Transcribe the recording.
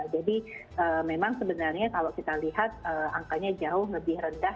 jadi memang sebenarnya kalau kita lihat angkanya jauh lebih rendah